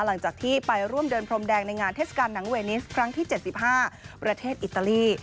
หลังจากที่ไปร่วมเดินพรมแดงในงานเทศกาลหนังเวนิสครั้งที่๗๕ประเทศอิตาลี